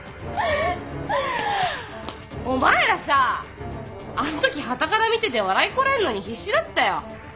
お前らさあんときはたから見てて笑いこらえんのに必死だったよ。